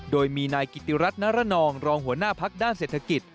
โดยมีนายกิติรัฐนรนองรองหัวหน้าพักด้านเศรษฐกิจ